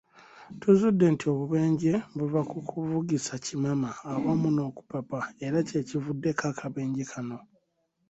Tuzudde nti obubenje buva ku kuvugisa kimama awamu n'okupapa era kyekivuddeko akabenje kano.